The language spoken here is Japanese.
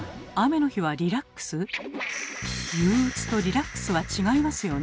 憂鬱とリラックスは違いますよね？